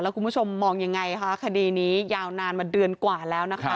คุณผู้ชมมองยังไงคะคดีนี้ยาวนานมาเดือนกว่าแล้วนะคะ